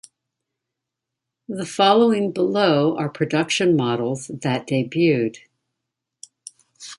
The following below are production models that debuted.